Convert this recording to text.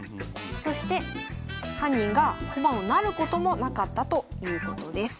そして犯人が駒を成ることもなかったということです。